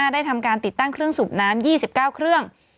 ได้ทำการติดตั้งเครื่องสูบน้ำ๒๙เครื่อง